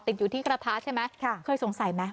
ติดอยู่ที่กระทะใช่ไหมเคยสงสัยไหม